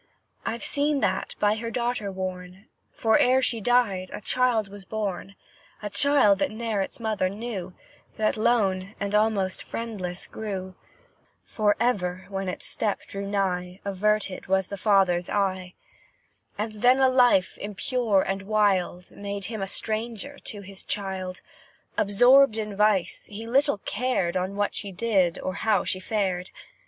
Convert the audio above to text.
I've seen that by her daughter worn: For, ere she died, a child was born; A child that ne'er its mother knew, That lone, and almost friendless grew; For, ever, when its step drew nigh, Averted was the father's eye; And then, a life impure and wild Made him a stranger to his child: Absorbed in vice, he little cared On what she did, or how she fared.